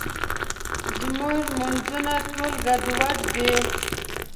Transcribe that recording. زموږ مونځونه ټول ګډوډ دي.